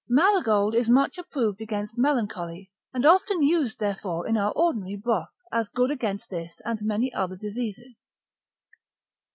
&c. Marigold is much approved against melancholy, and often used therefore in our ordinary broth, as good against this and many other diseases.